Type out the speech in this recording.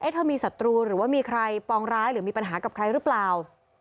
เธอมีศัตรูหรือว่ามีใครปองร้ายหรือมีปัญหากับใครหรือเปล่า